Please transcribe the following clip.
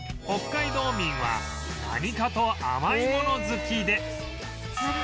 北海道民は何かと甘いもの好きで